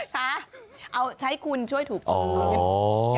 ใช้คุณหน้าไปช่วยถูผืน